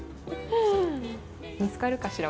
見つかるかしら？